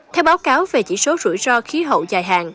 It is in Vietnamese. theo báo cáo về chỉ số rủi ro khí hậu dài hạn